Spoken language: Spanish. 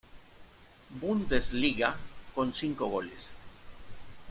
Bundesliga, con cinco goles.